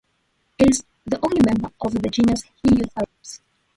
It is the only member of the genus Heliothraupis.